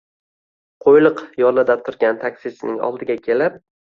Qo`yliq yo`lida turgan taksichining oldiga kelib